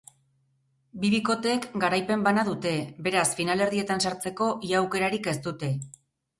Bi bikoteek garaipen bana dute, beraz finalerdietan sartzeko ia aukerarik ez dute.